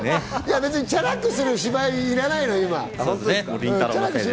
別にチャラくする芝居、今いらないのよ。